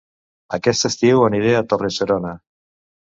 Aquest estiu aniré a Torre-serona